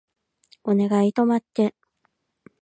お願い止まって